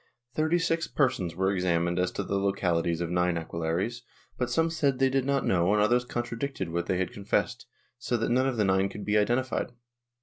Thirty six persons were examined as to the localities of nine aquelarres, but some said they did not know and others contradicted what they had con fessed, so that none of the nine could be identified.